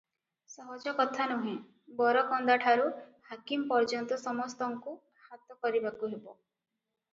ସହଜ କଥା ନୁହେଁ, ବରକନ୍ଦାଠାରୁ ହାକିମ ପର୍ଯ୍ୟନ୍ତ ସମସ୍ତଙ୍କୁ ହାତ କରିବାକୁ ହେବ ।